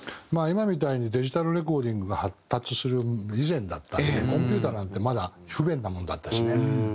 今みたいにデジタルレコーディングが発達する以前だったんでコンピューターなんてまだ不便なもんだったしね。